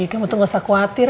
kamu tuh gak usah khawatir